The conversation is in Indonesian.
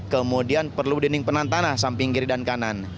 kemudian perlu dinding penan tanah samping kiri dan kanan